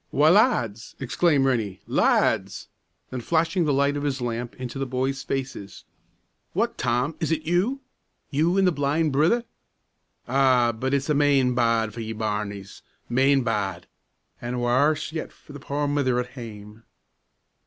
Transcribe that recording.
"Why, lads!" exclaimed Rennie; "lads!" Then, flashing the light of his lamp into the boys' faces, "What, Tom, is it you? you and the blind brither? Ah! but it's main bad for ye, bairnies, main bad an' warse yet for the poor mither at hame."